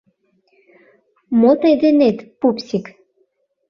— Мо тый денет, пупсик?